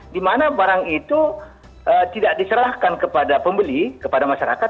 di mana barang itu tidak diserahkan kepada pembeli kepada masyarakat